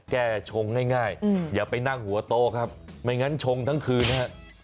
ชงง่ายอย่าไปนั่งหัวโต๊ะครับไม่งั้นชงทั้งคืนฮะ